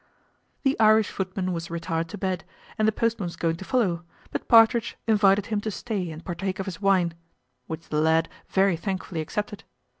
The Irish footman was retired to bed, and the post boy was going to follow; but Partridge invited him to stay and partake of his wine, which the lad very thankfully accepted.